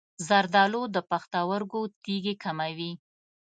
زردآلو د پښتورګو تیږې کموي.